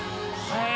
はい！